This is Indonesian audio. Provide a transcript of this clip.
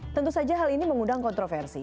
tentu saja hal ini mengundang kontroversi